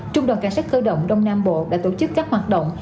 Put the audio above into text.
trung đoàn cảnh sát cơ động đông nam bộ đã tổ chức các hoạt động